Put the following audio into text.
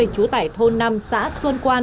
trú tải thôn năm xã xuân quan